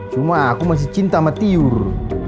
cuma aku masih cinta sama tiur